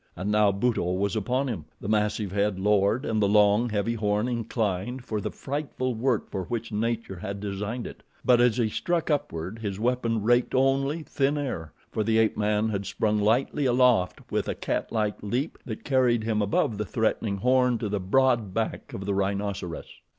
And now Buto was upon him, the massive head lowered and the long, heavy horn inclined for the frightful work for which nature had designed it; but as he struck upward, his weapon raked only thin air, for the ape man had sprung lightly aloft with a catlike leap that carried him above the threatening horn to the broad back of the rhinoceros.